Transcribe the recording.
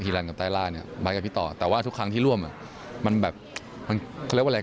ลันกับใต้ล่าเนี่ยมากับพี่ต่อแต่ว่าทุกครั้งที่ร่วมอ่ะมันแบบมันเขาเรียกว่าอะไร